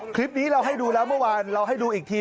คลิปนี้เราให้ดูแล้วเมื่อวานเราให้ดูอีกที